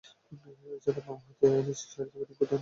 এছাড়াও, বামহাতে নিচেরসারিতে ব্যাটিং করতেন ম্যাথু হার্ট।